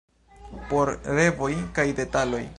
Por revoj kaj detaloj.